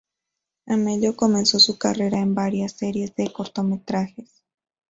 Amelio comenzó su carrera en varias serie de cortometrajes.